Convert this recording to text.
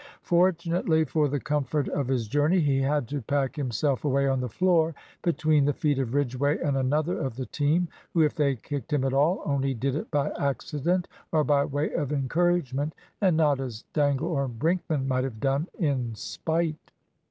Fortunately for the comfort of his journey, he had to pack himself away on the floor between the feet of Ridgway and another of the team, who, if they kicked him at all, only did it by accident or by way of encouragement, and not as Dangle or Brinkman might have done, in spite.